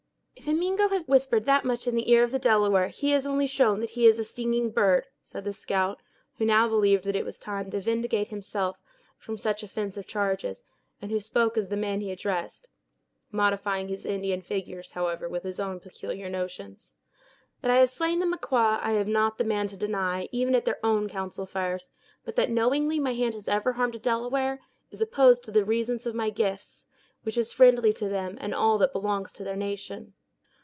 "If a Mingo has whispered that much in the ear of the Delaware, he has only shown that he is a singing bird," said the scout, who now believed that it was time to vindicate himself from such offensive charges, and who spoke as the man he addressed, modifying his Indian figures, however, with his own peculiar notions. "That I have slain the Maquas I am not the man to deny, even at their own council fires; but that, knowingly, my hand has never harmed a Delaware, is opposed to the reason of my gifts, which is friendly to them, and all that belongs to their nation."